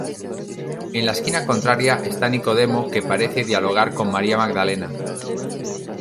En la esquina contraria está Nicodemo que parece dialogar con María Magdalena.